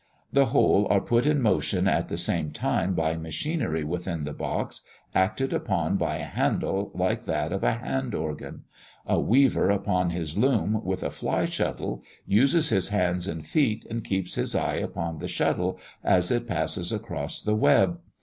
The whole are put in motion at the same time by machinery within the box, acted upon by a handle like that of a hand organ. A weaver upon his loom, with a fly shuttle, uses his hands and feet, and keeps his eye upon the shuttle, as it passes across the web.